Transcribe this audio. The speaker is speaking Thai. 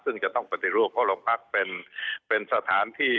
ซึ่งจะต้องปฏิรูปเพราะเราพักเป็นสถานที่